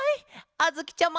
あづきちゃま！